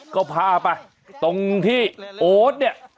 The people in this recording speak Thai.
ก็พาไปตรงที่โอ๊ตเนี่ย